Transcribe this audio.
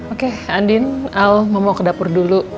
oke andin al ngomong ke dapur dulu